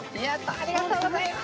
ありがとうございます！